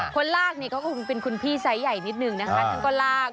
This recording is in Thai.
คนลากนี่เขาก็คงเป็นคุณพี่ไซส์ใหญ่นิดนึงนะคะท่านก็ลาก